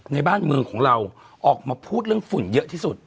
ในบ้านเมืองของเราออกมาพูดเรื่องฝุ่นเยอะที่สุด